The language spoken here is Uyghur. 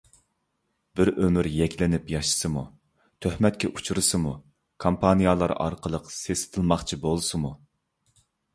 بىر ئۆمۈر يەكلىنىپ ياشىسىمۇ، تۆھمەتكە ئۇچرىسىمۇ، كامپانىيالار ئارقىلىق سېسىتىلماقچى بولسىمۇ.